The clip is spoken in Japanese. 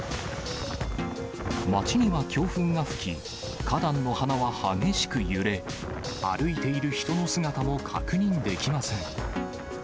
街には強風が吹き、花壇の花は激しく揺れ、歩いている人の姿も確認できません。